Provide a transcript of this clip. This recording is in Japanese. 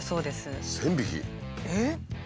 えっ！